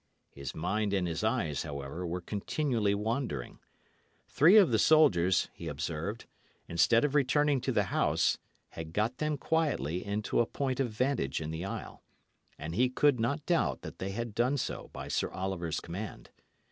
His mind and his eyes, however, were continually wandering. Three of the soldiers, he observed, instead of returning to the house, had got them quietly into a point of vantage in the aisle; and he could not doubt that they had done so by Sir Oliver's command.